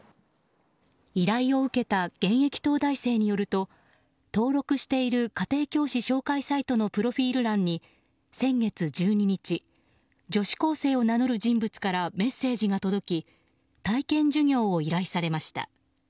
依頼を受けた現役東大生によると登録している家庭教師紹介サイトのプロフィール欄に先月１２日女子高生を名乗る人物からメッセージが届き体験授業を依頼されました。